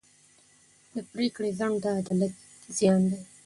د پرېکړې ځنډ د عدالت زیان دی.